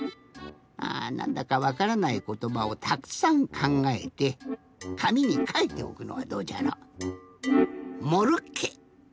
あなんだかわからないことばをたくさんかんがえてかみにかいておくのはどうじゃろ。